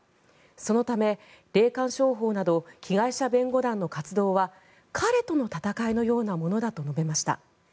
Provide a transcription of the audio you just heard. そのため霊感商法など被害者弁護団の活動は彼との闘いのようなものだと述べました。